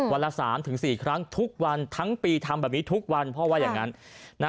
ละ๓๔ครั้งทุกวันทั้งปีทำแบบนี้ทุกวันพ่อว่าอย่างนั้น